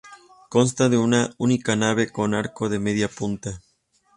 Consta de una única nave, con arco de medio punto.